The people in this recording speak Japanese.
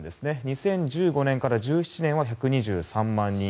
２０１５年から２０１７年は１２３万人。